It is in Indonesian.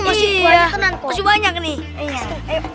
masih banyak nih